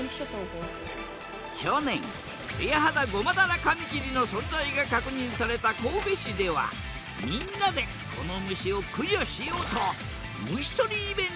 去年ツヤハダゴマダラカミキリの存在が確認された神戸市ではみんなでこの虫を駆除しようと虫とりイベントを始めたへえ。